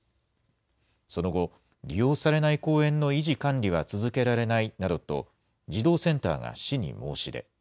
その後、利用されない公園の維持・管理は続けられないなどと、児童センターが市に申し出。